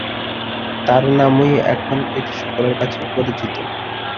তার নামই এখন এটি সকলের কাছে পরিচিত।